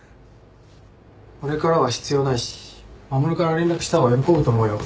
俺からは必要ないし守から連絡した方が喜ぶと思うよ。